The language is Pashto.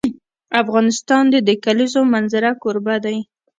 افغانستان د د کلیزو منظره کوربه دی.